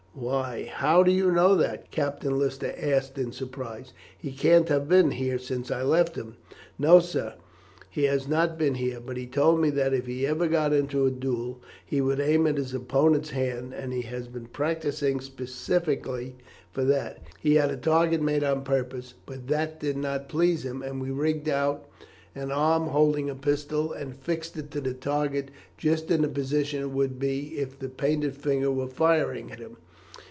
"Why, how do you know that?" Captain Lister asked in surprise. "He can't have been here since I left him." "No, sir, he has not been here; but he told me that if he ever got into a duel he would aim at his opponent's hand, and he has been practising specially for that. He had a target made on purpose, but that did not please him, and we rigged out an arm holding a pistol and fixed it to the target just in the position it would be if the painted figure were firing at him.